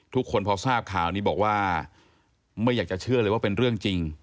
ทุกคนพอทราบข่าวนี้บอกว่าไม่อยากจะเชื่อเลยว่าเป็นเรื่องจริง